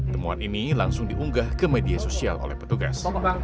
temuan ini langsung diunggah ke media sosial oleh petugas